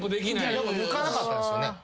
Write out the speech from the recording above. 抜かなかったんですよね。